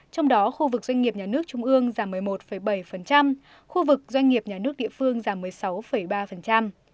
trong đó khu vực doanh nghiệp nhà nước trung ương giảm một mươi một bảy khu vực doanh nghiệp nhà nước địa phương giảm một mươi sáu ba